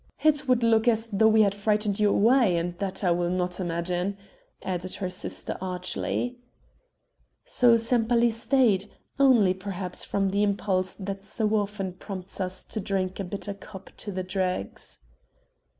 "It would look as though we had frightened you away, and that I will not imagine," added her sister archly. So Sempaly stayed; only, perhaps, from the impulse that so often prompts us to drink a bitter cup to the dregs.